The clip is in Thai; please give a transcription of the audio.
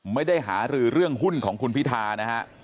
ไม่ได้หารือเรื่องหุ้นของคุณพิธานะฮะ